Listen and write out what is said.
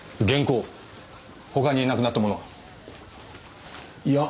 他になくなったものは？いや。